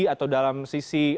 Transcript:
atau dalam sisi